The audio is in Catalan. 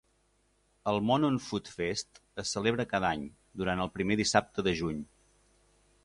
El Monon Food Fest es celebra cada any, durant el primer dissabte de juny.